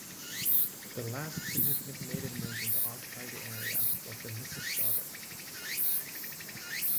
The last significant native nation to occupy the area was the Mississaugas.